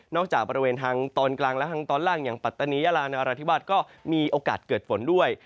จากบริเวณทางตอนกลางและทางตอนล่างอย่างปัตตานียาลานราธิวาสก็มีโอกาสเกิดฝนด้วย